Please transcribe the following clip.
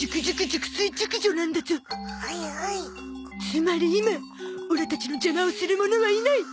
つまり今オラたちの邪魔をする者はいない。